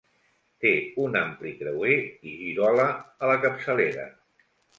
Té un ampli creuer i girola a la capçalera.